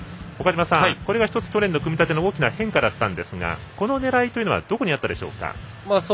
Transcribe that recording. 岡島さん、これが１つ去年の組み立ての大きな変化だったんですがこの狙いはどこにあったでしょうか。